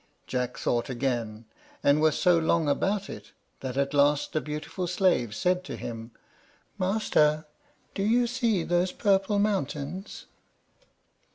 Jack thought again, and was so long about it that at last the beautiful slave said to him, "Master, do you see those purple mountains?"